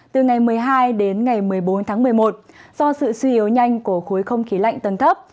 từ ngày một mươi hai đến ngày một mươi bốn tháng một mươi một do sự suy yếu nhanh của khối không khí lạnh tầng thấp